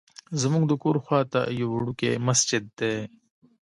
زمونږ د کور خواته یو وړوکی مسجد دی.